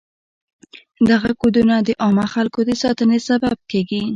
دغه کودونه د عامو خلکو د ساتنې سبب کیږي.